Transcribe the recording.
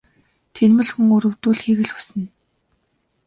Тэнэмэл хүн өрөвдүүлэхийг л хүснэ ээ.